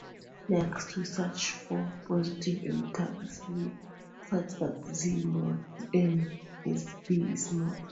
Next, we search for positive integers "z" such that "z" mod "N" is "B"-smooth.